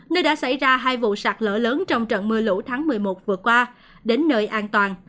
nơi đã xảy ra hai vụ sạt lỡ lớn trong trận mưa lũ tháng một mươi một vừa qua đến nơi an toàn